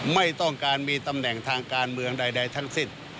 ไม่ต้องการมีตำแหน่งทางการเมืองใดทั้งสิ้น